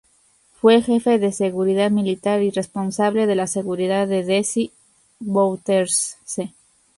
Fue jefe de seguridad militar y responsable de la seguridad de Desi Bouterse.